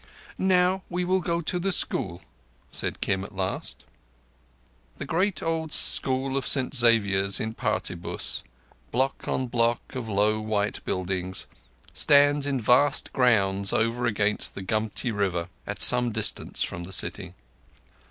"Now we will go to the school," said Kim at last. The great old school of St Xavier's in Partibus, block on block of low white buildings, stands in vast grounds over against the Gumti River, at some distance from the city.